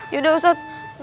ya udah ustadz